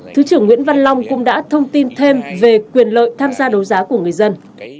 thứ trưởng nguyễn văn long cũng đã thông tin thêm về quyền lợi tham gia đấu giá của người dân